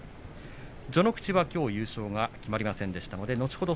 序ノ口はきょうは優勝が決まりませんでしたので後ほど